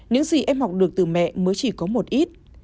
những gì em học được từ mẹ mới chỉ có một ít